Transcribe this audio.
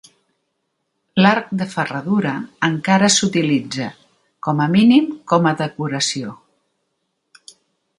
L'arc de ferradura encara s'utilitza, com a mínim com a decoració.